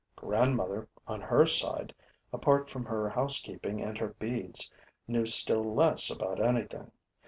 Grandmother, on her side, apart from her housekeeping and her beads, knew still less about anything.